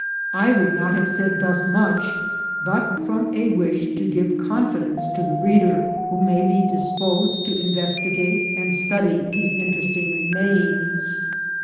I would not have said thus much but from a wish to give confi ence to the reader who may be disposed to investigate 300 INCIDENTS OF TRAVEL. and study these interesting remains.